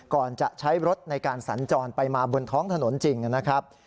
ก่อนจะใช้รถในการสัญจรไปมาบนท้องถนนจริงนะครับ